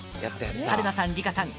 春菜さん、梨花さん